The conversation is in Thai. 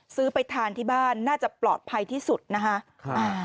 ไปทานที่บ้านน่าจะปลอดภัยที่สุดนะคะ